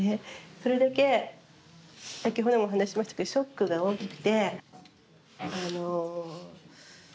それだけ先ほども話しましたけどショックが大きくてあの。